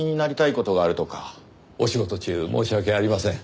お仕事中申し訳ありません。